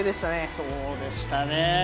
そうでしたね。